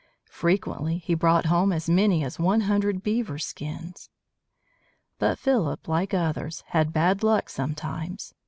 Frequently he brought home as many as one hundred beaver skins. But Philip, like others, had bad luck sometimes.